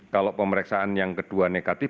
kalau pemeriksaan yang kedua negatif